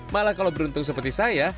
malah kalau beruntung seperti saya